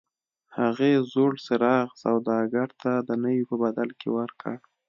هغې زوړ څراغ سوداګر ته د نوي په بدل کې ورکړ.